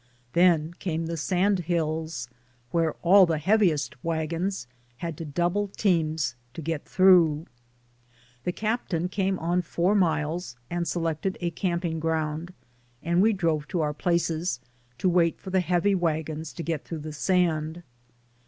Then came the Sand Hills, where all the heaviest wagons had to double teams to get through. The captain came on four miles and selected a camping ground, and we drove to our places, DAYS ON THE ROAD. 129 to wait for the heavy wagons to get through the sand.